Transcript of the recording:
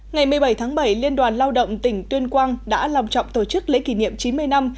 ngày một mươi bảy tháng bảy liên đoàn lao động tỉnh tuyên quang đã lòng trọng tổ chức lễ kỷ niệm chín mươi năm